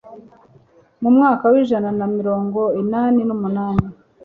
mu mwaka w'ijana na mirongo inani n'umunani